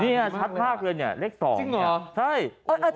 นี่ชัดมากเลยเนี่ยเลข๒เนี่ย